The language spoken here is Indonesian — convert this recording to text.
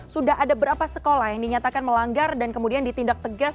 sudah ada berapa sekolah yang dinyatakan melanggar dan kemudian ditindak tegas